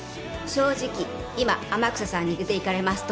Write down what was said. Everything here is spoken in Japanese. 正直今天草さんに出ていかれますと。